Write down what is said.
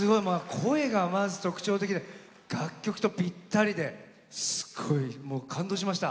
声が特徴的で楽曲とぴったりですごい、感動しました。